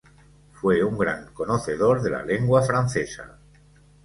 Fue un gran conocedor de la lengua francesa.